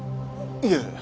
いえ。